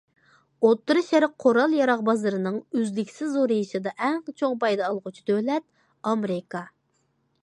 ئوتتۇرا شەرق قورال- ياراغ بازىرىنىڭ ئۈزلۈكسىز زورىيىشىدا ئەڭ چوڭ پايدا ئالغۇچى دۆلەت ئامېرىكا.